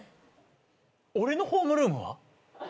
俺のホームルームは？